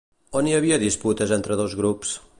On hi havia disputes entre dos grups?